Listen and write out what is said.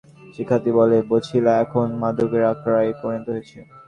নাম প্রকাশে অনিচ্ছুক একজন শিক্ষার্থী বলে, বছিলা এখন মাদকের আখড়ায় পরিণত হয়েছে।